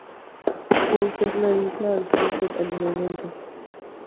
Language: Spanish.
Wolf es la isla al sur del alineamiento.